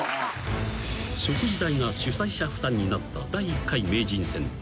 ［食事代が主催者負担になった第１回名人戦］